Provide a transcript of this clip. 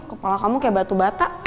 kepala kamu kayak batu bata